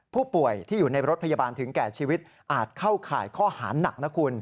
ผู้ป่วยที่อยู่ในรถพยาบาลถึงแก่ชีวิตอาจเข้าข่ายข้อหาหนักนะคุณ